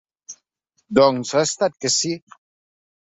Doncs ha estat que sí.